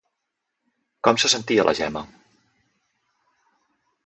Com se sentia la Gemma?